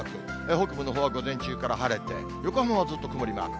北部のほうは午前中から晴れて、横浜はずっと曇りマーク。